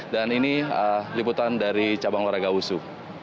dan ini liputan dari cabang olahraga wusu